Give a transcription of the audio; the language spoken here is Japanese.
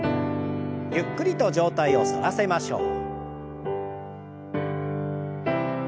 ゆっくりと上体を反らせましょう。